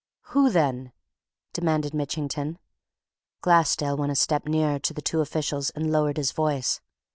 "Who, then?" demanded Mitchington. Glassdale went a step nearer to the two officials and lowered his voice.